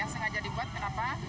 sengaja dibuat kenapa